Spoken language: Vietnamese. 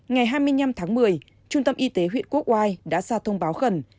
ngày hai mươi năm tháng một mươi trung tâm y tế huyện quốc oai đã ra thông báo khẩn